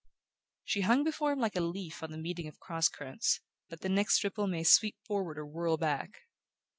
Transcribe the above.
She hung before him like a leaf on the meeting of cross currents, that the next ripple may sweep forward or whirl back.